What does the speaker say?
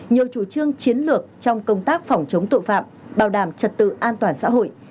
nhiều chủ trương chiến lược trong công tác phòng chống tội phạm bảo đảm trật tự an toàn xã hội